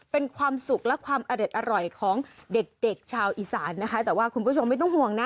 เป็นความสุขและความอเด็ดอร่อยของเด็กเด็กชาวอีสานนะคะแต่ว่าคุณผู้ชมไม่ต้องห่วงนะ